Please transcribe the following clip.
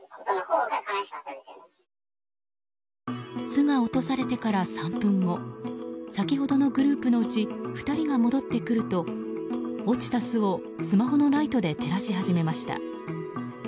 巣が落とされてから３分後先ほどのグループのうち２人が戻ってくると落ちた巣を、スマホのライトで照らし始めました。